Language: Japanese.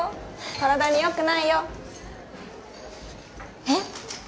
体によくないよえっ？